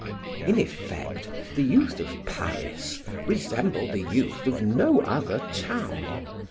In effect, the youth of Paris resemble the youth of no other town.